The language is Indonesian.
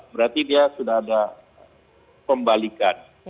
berarti dia sudah ada pembalikan